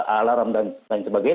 alarm dan sebagainya